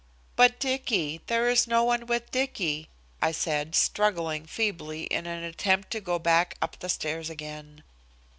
"But Dicky, there is no one with Dicky," I said, struggling feebly in an attempt to go back up the stairs again.